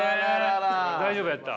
大丈夫やった？